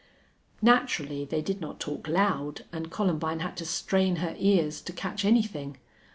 Naturally they did not talk loud, and Columbine had to strain her ears to catch anything.